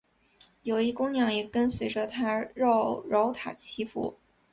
有位姑娘也跟随着他饶塔祈福。